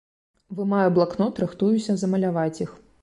Вымаю блакнот, рыхтуюся змаляваць іх.